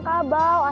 gak makin baik ya